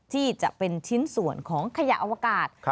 ที่จะเป็นชิ้นส่วนของขยะอวกาศ